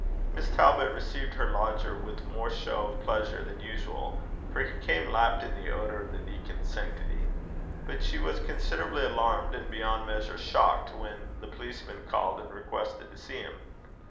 Miss Talbot received her lodger with more show of pleasure than usual, for he came lapped in the odour of the deacon's sanctity. But she was considerably alarmed and beyond measure shocked when the policeman called and requested to see him.